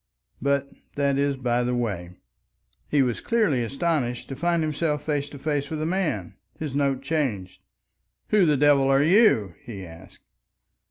But that is by the way. He was clearly astonished to find himself face to face with a man. His note changed. "Who the devil are you?" he asked.